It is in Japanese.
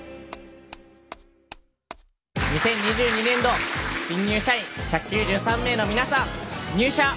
２０２２年度新入社員１９３名の皆さん入社。